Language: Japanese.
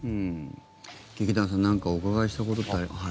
劇団さん何かお伺いしたいことは。